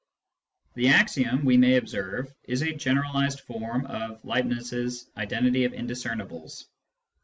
The axiom, we may observe, is a generalised form of Leibniz's identity of indiscernibles.